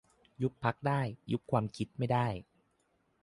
ยุบพรรคได้ ยุบความคิดไม่ได้